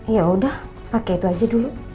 ya udah pakai itu aja dulu